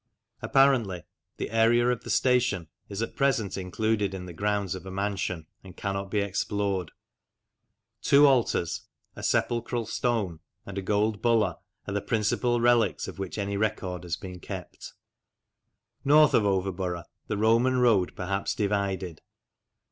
Apparently the area of the station is at present included in the grounds of a mansion, and cannot be explored. Two altars, a sepulchral stone, and a gold bulla are the principal relics of which any record has been kept. North of Overborough the Roman road perhaps divided.